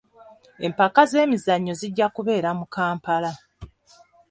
Empaka z'emizannyo zijja kubeera mu Kampala.